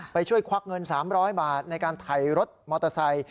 ไปช่วยควักเงิน๓๐๐บาทในการไถรถมอเตอร์ไซค์